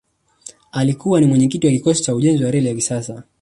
alikuwa ni mwenyekiti wa kikosi cha ujenzi wa reli ya kisasa